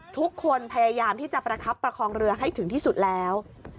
พยายามที่จะประคับประคองเรือให้ถึงที่สุดแล้ว